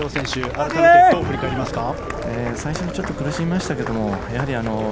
改めてどう振り返りますか。